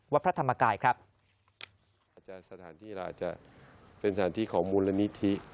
พระธรรมกายครับอาจารย์สถานที่เราอาจจะเป็นสถานที่ของมูลนิธิ